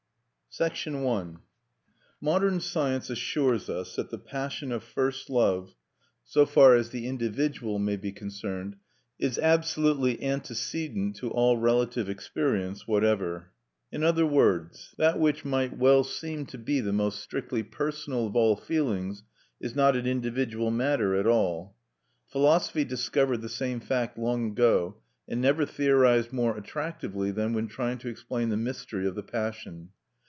I Modern science assures us that the passion of first love, so far as the individual may be concerned, is "absolutely antecedent to all relative experience whatever(1)." In other words, that which might well seem to be the most strictly personal of all feelings, is not an individual matter at all. Philosophy discovered the same fact long ago, and never theorized more attractively than when trying to explain the mystery of the passion.